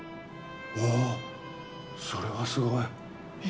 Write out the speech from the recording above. おそれはすごい。